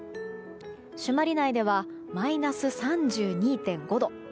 朱鞠内ではマイナス３２．５度。